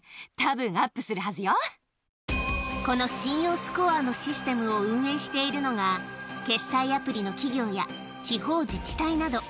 うん、この信用スコアのシステムを運営しているのが、決済アプリの企業や、地方自治体など。